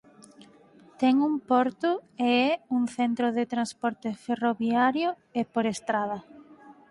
Ten un porto e é un centro de transporte ferroviario e por estrada.